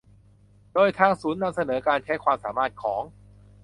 โดยทางศูนย์นำเสนอการใช้ความสามารถของ